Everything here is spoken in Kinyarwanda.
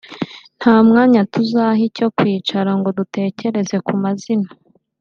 nta mwanya tuzaha icyo kwicara ngo dutekereze ku mazina